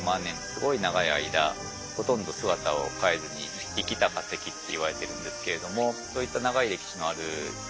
すごい長い間ほとんど姿を変えずに生きた化石っていわれてるんですけれどもそういった長い歴史のある生き物をね